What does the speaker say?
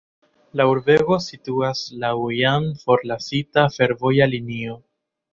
La urbego situas laŭ jam forlasita fervoja linio.